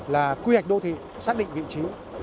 là quy hạch đô thê xác định vị trí